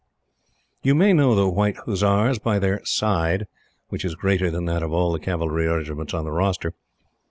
You may know the White Hussars by their "side," which is greater than that of all the Cavalry Regiments on the roster.